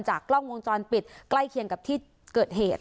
กล้องวงจรปิดใกล้เคียงกับที่เกิดเหตุ